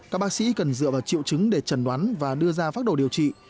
các bác sĩ cần dựa vào triệu chứng để trần đoán và đưa ra phát đồ điều trị